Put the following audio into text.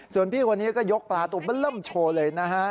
ส่วนพี่คนนี้ก็ยกปลาตัวเบอร์เริ่มโชว์เลยนะฮะ